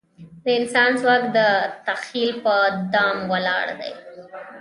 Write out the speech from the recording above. د انسان ځواک د تخیل په دوام ولاړ دی.